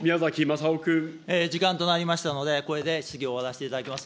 時間となりましたので、これで質疑を終わらせていただきます。